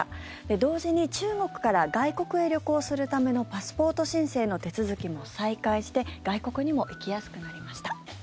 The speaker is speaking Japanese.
同時に、中国から外国へ旅行するためのパスポート申請の手続きも再開して外国にも行きやすくなりました。